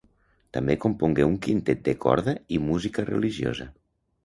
També compongué un quintet de corda i música religiosa.